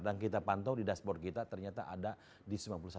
dan kita pantau di dashboard kita ternyata ada di sembilan puluh satu negara